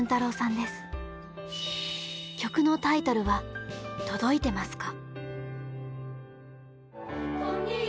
曲のタイトルは「とどいてますか」。